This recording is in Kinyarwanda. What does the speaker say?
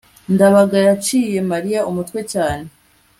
ndabaga yaciye mariya umutwe cyane